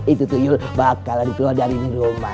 itu tuyul bakalan keluar dari rumah